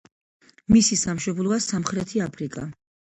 მისი სამშობლოა სამხრეთი აფრიკა.